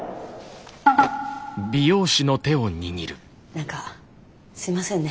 何かすいませんね